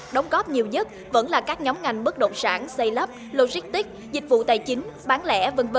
đóng góp nhiều nhất vẫn là các nhóm ngành bất động sản xây lấp logistic dịch vụ tài chính bán lẻ v v